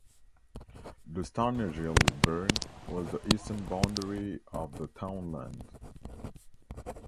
The Stanergill Burn was the eastern boundary of the townland.